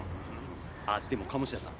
あっでも鴨志田さん。